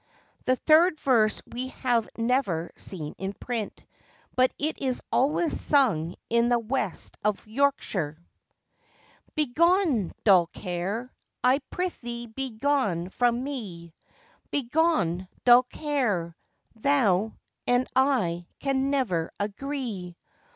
The third verse we have never seen in print, but it is always sung in the west of Yorkshire.] BEGONE, dull care! I prithee begone from me; Begone, dull care! Thou and I can never agree.